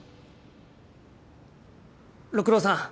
六郎さん